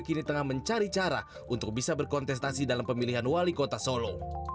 kini tengah mencari cara untuk bisa berkontestasi dalam pemilihan wali kota solo